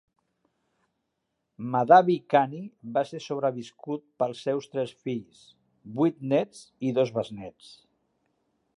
Mahdavi Kani va ser sobreviscut pels seus tres fills, vuit néts i dos besnéts.